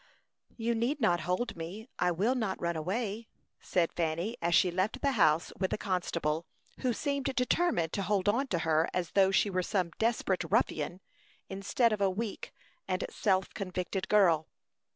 "You need not hold me; I will not run away," said Fanny, as she left the house with the constable, who seemed determined to hold on to her as though she were some desperate ruffian, instead of a weak and self convicted girl.